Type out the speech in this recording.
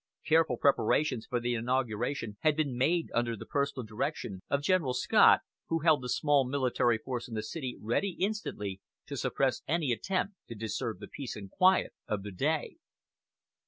Careful preparations for the inauguration had been made under the personal direction of General Scott, who held the small military force in the city ready instantly to suppress any attempt to disturb the peace and quiet of the day.